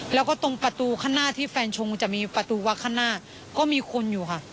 แล้วก็ตรงประตูข้างหน้าที่แฟนชงจะมีประตูวักข้างหน้าก็มีคนอยู่ค่ะ